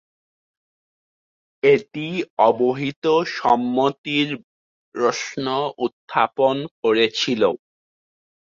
এটি অবহিত সম্মতির প্রশ্ন উত্থাপন করেছিল।